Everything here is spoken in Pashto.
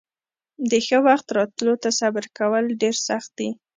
د ښه وخت راتلو ته صبر کول ډېر سخت دي.